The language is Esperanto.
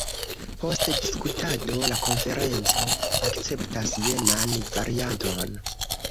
Post diskutado la konferenco akceptas jenan varianton.